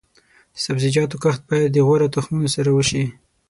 د سبزیجاتو کښت باید د غوره تخمونو سره وشي.